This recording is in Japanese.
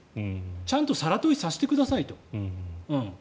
ちゃんと更問させてくださいと。